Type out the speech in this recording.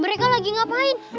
mereka lagi ngapain